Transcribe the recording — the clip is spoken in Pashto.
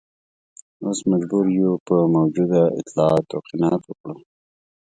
اوس مجبور یو په موجودو اطلاعاتو قناعت وکړو.